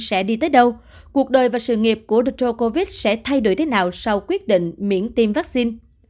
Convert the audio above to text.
sẽ đi tới đâu cuộc đời và sự nghiệp của drogovic sẽ thay đổi thế nào sau quyết định miễn tiêm vắc xin